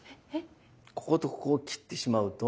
こことここを切ってしまうと。